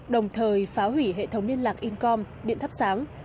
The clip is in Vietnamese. đồng thời phá hủy hệ thống liên lạc incom điện thắp sáng